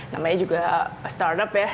namanya juga startup ya